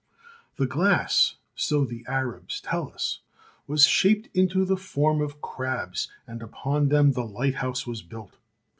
The glass, so the Arabs tell us, was shaped into the form of crabs, and upon them the lighthouse was built.